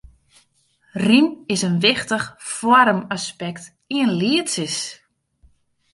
Rym is in wichtich foarmaspekt yn lietsjes.